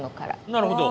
なるほど！